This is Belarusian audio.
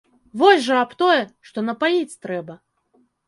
Вось жа аб тое, што напаіць трэба.